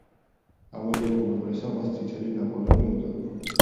ამერიკულმა პრესამ მას „წითელი ნაპოლეონი“ უწოდა.